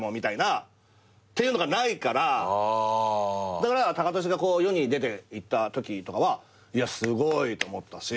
だからタカトシが世に出ていったときとかはすごいと思ったし。